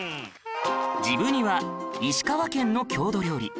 治部煮は石川県の郷土料理